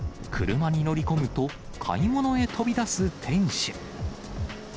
車に乗り込むと、買い物へ飛び出す店主。